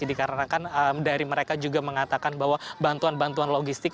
dikarenakan dari mereka juga mengatakan bahwa bantuan bantuan logistik